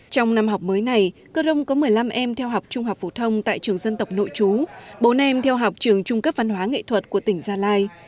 trong năm học mới này cơ rông có một mươi năm em theo học trung học phổ thông tại trường dân tộc nội chú bốn em theo học trường trung cấp văn hóa nghệ thuật của tỉnh gia lai